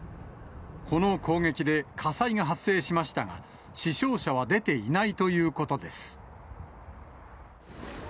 この攻撃で火災が発生しましたが、死傷者は出ていないということです。